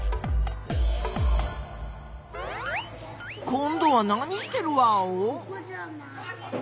こんどは何してるワオ？